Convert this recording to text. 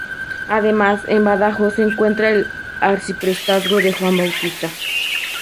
Además, en Badajoz se encuentra el Arciprestazgo de San Juan Bautista.